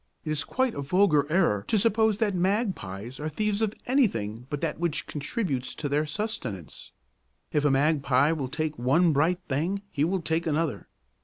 It is quite a vulgar error to suppose that magpies are thieves of anything but that which contributes to their sustenance. If a magpie will take one bright thing he will take another.